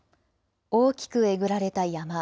大きくえぐられた山。